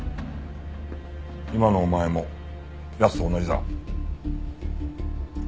今のお前も奴と同じだ。